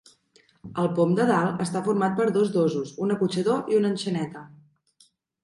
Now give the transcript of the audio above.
El pom de dalt està format per dos dosos, un acotxador i un enxaneta.